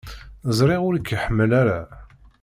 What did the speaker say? Ẓriɣ ur k-iḥemmel ara.